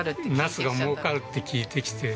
ナスが儲かるって聞いてきて。